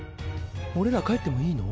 俺ら帰ってもいいの？